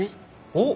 おっ！